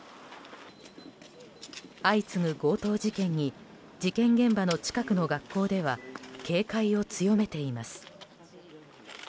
相次ぐ強盗事件に事件現場の近くの学校では警戒を強めています。